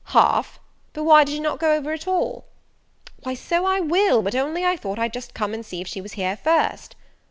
"Half? but why did not you go over it all?" "Why, so I will: but only I thought I'd just come and see if she was here first."